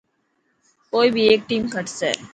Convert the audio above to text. ڪوئي بي هيڪ ٽيم کٽسي.